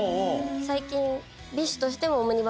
最近。